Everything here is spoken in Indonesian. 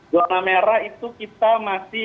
zona merah itu kita masih